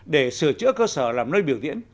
để sửa chữa cơ sở làm nơi biểu diễn